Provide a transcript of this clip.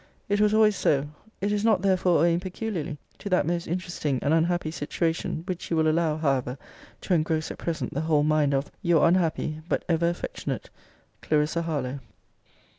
It was always so: it is not therefore owing peculiarly to that most interesting and unhappy situation, which you will allow, however, to engross at present the whole mind of Your unhappy, but ever affectionate CLARISSA HARLOWE.